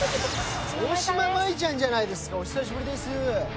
大島麻衣ちゃんじゃないですかお久しぶりです。